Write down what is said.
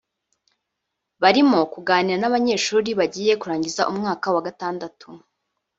barimo kuganira n’abanyeshuri bagiye kurangiza umwaka wa Gatandatu